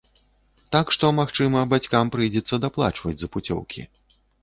Так што, магчыма, бацькам прыйдзецца даплачваць за пуцёўкі.